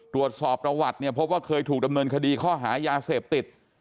ตรวจสอบประวัติเนี่ยพบว่าเคยถูกดำเนินคดีข้อหายาเสพติด